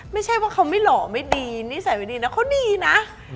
ไม่ใช่ว่าเขาไม่หล่อไม่ดีนิสัยไม่ดีนะเขาดีนะ